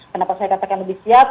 kenapa saya katakan lebih siap